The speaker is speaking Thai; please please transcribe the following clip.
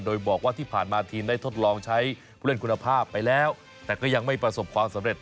โดยบอกว่าที่ผ่านมาทีมได้ทดลองใช้ผู้เล่นคุณภาพไปแล้วแต่ก็ยังไม่ประสบความสำเร็จ